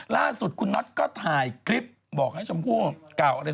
ล่าสุดคุณน็อตก็ถ่ายคลิปบอกให้ชมพู่กล่าวอะไร